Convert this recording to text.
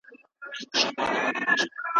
همزه د لاس او سترګو په واسطه اذيت ته وايي.